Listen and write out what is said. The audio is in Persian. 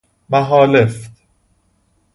محالفت